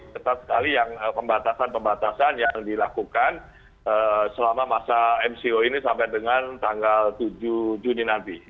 ketat sekali yang pembatasan pembatasan yang dilakukan selama masa mco ini sampai dengan tanggal tujuh juni nanti